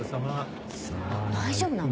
大丈夫なの？